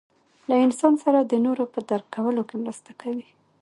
له انسان سره د نورو په درک کولو کې مرسته کوي.